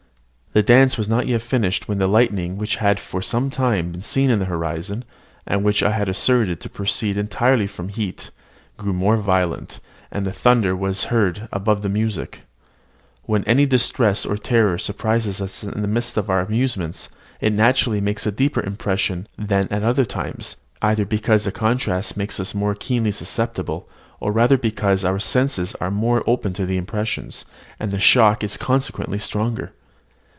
The dance was not yet finished when the lightning which had for some time been seen in the horizon, and which I had asserted to proceed entirely from heat, grew more violent; and the thunder was heard above the music. When any distress or terror surprises us in the midst of our amusements, it naturally makes a deeper impression than at other times, either because the contrast makes us more keenly susceptible, or rather perhaps because our senses are then more open to impressions, and the shock is consequently stronger.